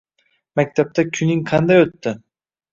Maktabda kuning qanday o‘tdi?